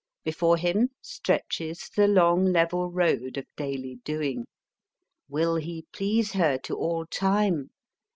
Before him stretches the long, level road of daily doing. Will he please her to all time